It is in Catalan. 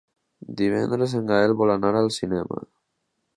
Divendres en Gaël vol anar al cinema.